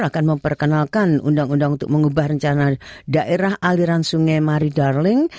akan memperkenalkan undang undang untuk mengubah rencana daerah aliran sungai maridarling